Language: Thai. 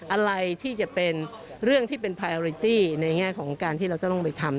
อะไรที่จะเป็นเรื่องที่เป็นพายอาริตี้ในแง่ของการที่เราจะต้องไปทำ